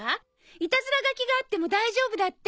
いたずら描きがあっても大丈夫だって。